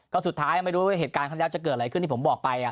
ก็สุดท้ายไม่รู้ว่าเหตุการณ์ขนาดเยอะจะเกิดอะไรขึ้นที่ผมบอกไป